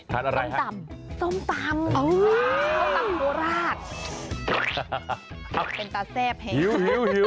ทานอะไรครับส้มตำโซมตำโคลาดเป็นตาแซ่บแห้งหิว